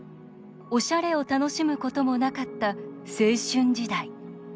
おしゃれを楽しむこともなかった青春時代。